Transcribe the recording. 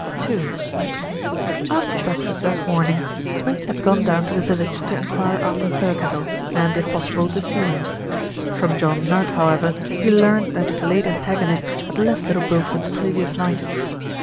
II After breakfast that morning, Smith had gone down to the village to enquire after Thirkettle and, if pos sible, to see him. From John Nudd, however, he learned that his late antagonist had left Little Bilstead the previous night.